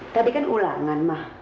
tadi kan ulangan ma